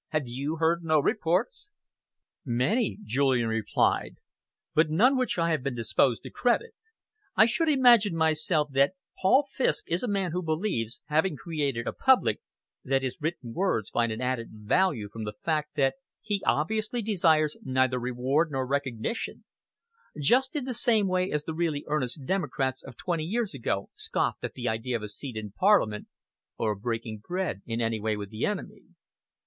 "Have you heard no reports?" "Many," Julian replied, "but none which I have been disposed to credit. I should imagine, myself, that Paul Fiske is a man who believes, having created a public, that his written words find an added value from the fact that he obviously desires neither reward nor recognition; just in the same way as the really earnest democrats of twenty years ago scoffed at the idea of a seat in Parliament, or of breaking bread in any way with the enemy."